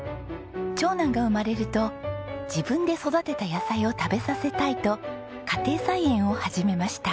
長男が生まれると自分で育てた野菜を食べさせたいと家庭菜園を始めました。